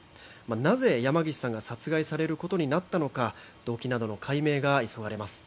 なぜ、山岸さんが殺害されることになったのか動機などの解明が急がれます。